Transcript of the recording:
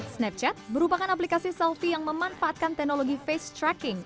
snapchat merupakan aplikasi selfie yang memanfaatkan teknologi face tracking